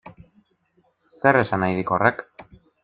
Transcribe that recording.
Zer esan nahi dik horrek?